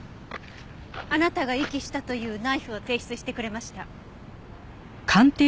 あなたが遺棄したというナイフを提出してくれました。